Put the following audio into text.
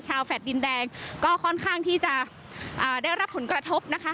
แฟลต์ดินแดงก็ค่อนข้างที่จะได้รับผลกระทบนะคะ